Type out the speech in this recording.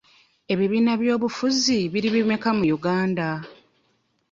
Ebibiina by'obufuzi biri bimeka mu Uganda?